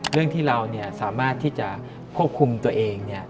เรื่องที่เราสามารถที่จะควบคุมตัวเอง